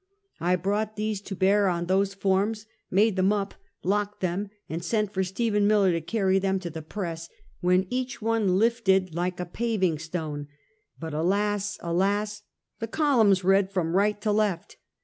I brought these to bear on those forms, made them up, locked them, and sent for Stephen Miller to carry them to the press, when each one lifted like a paving stone; but alas, alas, the columns read from right to left.